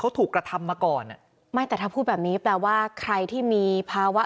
เขาถูกกระทำมาก่อนอ่ะไม่แต่ถ้าพูดแบบนี้แปลว่าใครที่มีภาวะ